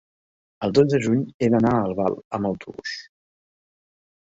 El dos de juny he d'anar a Albal amb autobús.